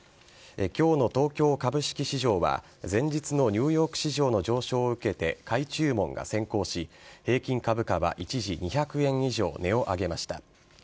今日の東京株式市場は前日のニューヨーク市場の上昇を受けて買い注文が先行し平均株価は一時２００円以上値を上げました。